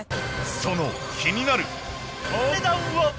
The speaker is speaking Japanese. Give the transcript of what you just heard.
その気になるお値段は！？